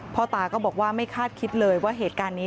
ตาก็บอกว่าไม่คาดคิดเลยว่าเหตุการณ์นี้